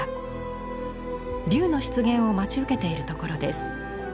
龍の出現を待ち受けているところです。